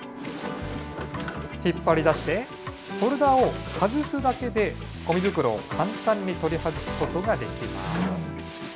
引っ張り出して、ホルダーを外すだけでごみ袋を簡単に取り外すことができます。